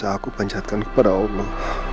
yang bisa aku panjatkan kepada allah